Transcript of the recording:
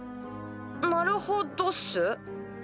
なるほどっす？